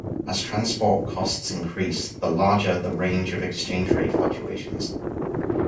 As transport costs increase, the larger the range of exchange rate fluctuations.